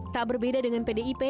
tak berbeda dengan pdip